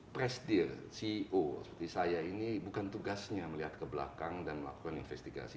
presidir ceo seperti saya ini bukan tugasnya melihat ke belakang dan melakukan investigasi